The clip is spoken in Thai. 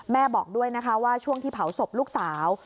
บอกด้วยนะคะว่าช่วงที่เผาศพลูกสาว